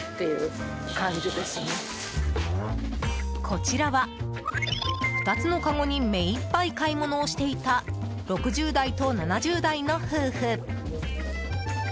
こちらは、２つのかごに目いっぱい買い物をしていた６０代と７０代の夫婦。